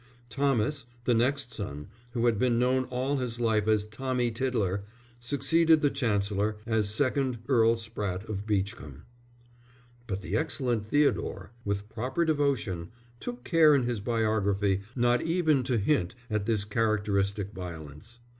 Thomas, the next son, who had been known all his life as Tommy Tiddler, succeeded the Chancellor as second Earl Spratte of Beachcombe. But the excellent Theodore, with proper devotion, took care in his biography not even to hint at this characteristic violence.